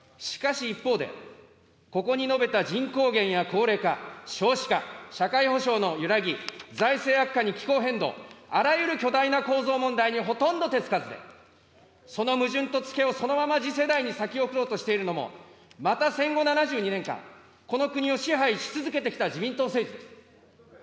しかし一方で、ここに述べた人口減や高齢化、少子化、社会保障の揺らぎ、財政悪化に気候変動、あらゆる巨大な構造問題にほとんど手付かずで、その矛盾と付けをそのまま次世代に先送ろうとしているのも、また戦後７２年間、この国を支配し続けてきた自民党政治です。